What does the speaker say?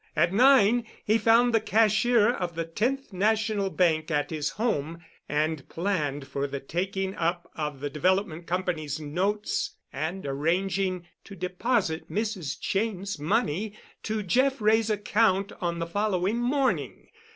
At nine he found the cashier of the Tenth National Bank at his home and planned for the taking up of the Development Company's notes and arranging to deposit Mrs. Cheyne's money to Jeff Wray's account on the following morning.